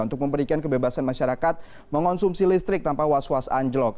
untuk memberikan kebebasan masyarakat mengonsumsi listrik tanpa was was anjlok